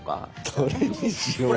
どれにしようかな。